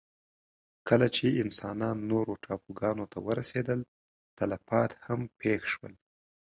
کله چې انسانان نورو ټاپوګانو ته ورسېدل، تلفات هم پېښ شول.